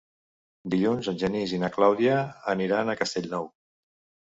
Dilluns en Genís i na Clàudia aniran a Castellnou.